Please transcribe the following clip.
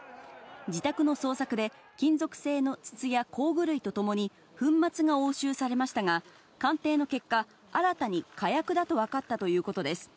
自宅の捜索で、金属製の筒や工具類と共に、粉末が押収されましたが、鑑定の結果、新たに火薬だと分かったということです。